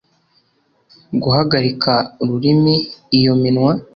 guhagarika ururimi iyo iminwa